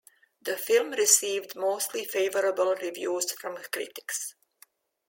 The film received mostly favorable reviews from critics.